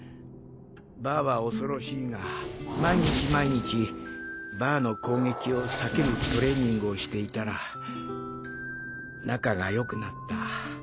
バアは恐ろしいが毎日毎日バアの攻撃を避けるトレーニングをしていたら仲が良くなった。